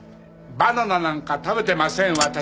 バナナなんか食べてません私は。